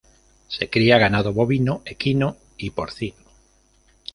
Se cría ganado bovino, equino y porcino.